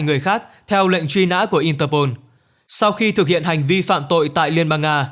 người khác theo lệnh truy nã của interpol sau khi thực hiện hành vi phạm tội tại liên bang nga